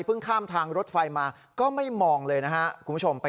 เพิ่งข้ามทางรถไฟมาก็ไม่มองเลยนะคะ